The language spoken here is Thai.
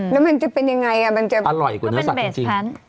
แล้วมันจะเป็นอย่างไรมันจะอร่อยกว่าเนื้อสัตว์จริง